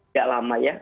gak lama ya